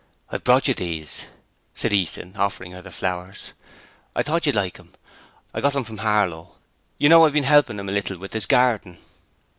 'I've brought you these,' said Easton, offering her the flowers. 'I thought you'd like them. I got them from Harlow. You know I've been helping him a little with his garden.'